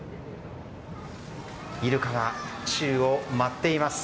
イルカが宙を舞っています。